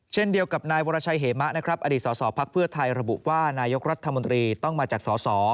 เช่นเดียวกับนายวรชัยเหมะนะครับอดีตสสพักเพื่อไทยระบุว่านายกรัฐมนตรีต้องมาจากสส